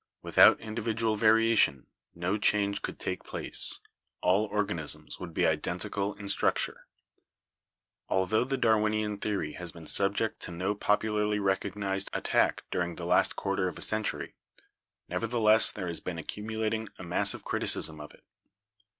Without individual variation no change could take place; all organisms would be identical in structure." Altho the Darwinian theory has been subject to no popularly recognised attack during the last quarter of a century, nevertheless there has been accumulating a mass of criticism of it.